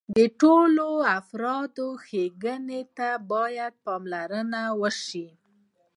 د ټولو افرادو ښېګڼې ته باید پاملرنه وشي.